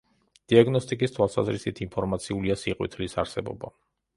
დიაგნოსტიკის თვალსაზრისით ინფორმაციულია სიყვითლის არსებობა.